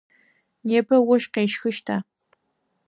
Непэ ощх къещхыщта?